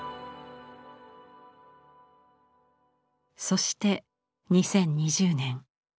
そして２０２０年。